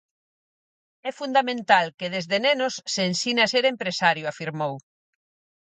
"É fundamental que desde nenos se ensine a ser empresario", afirmou.